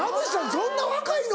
そんな若いの！